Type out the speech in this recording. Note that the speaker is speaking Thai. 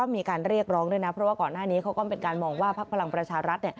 มีการเรียกร้องด้วยนะเพราะว่าก่อนหน้านี้เขาก็มีการมองว่าพักพลังประชารัฐ